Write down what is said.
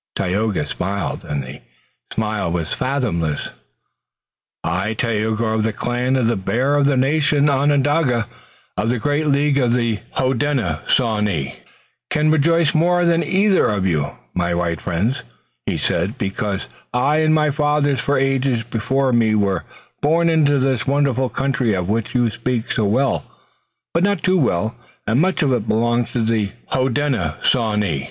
Tayoga smiled, and the smile was fathomless. "I, Tayoga, of the clan of the Bear, of the nation Onondaga, of the great League of the Hodenosaunee, can rejoice more than either of you, my white friends," he said, "because I and my fathers for ages before me were born into this wonderful country of which you speak so well, but not too well, and much of it belongs to the Hodenosaunee.